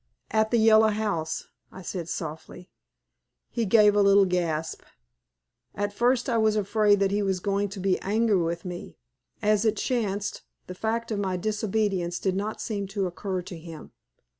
"At the Yellow House," I said, softly. He gave a little gasp. At first I was afraid that he was going to be angry with me. As it chanced, the fact of my disobedience did not seem to occur to him.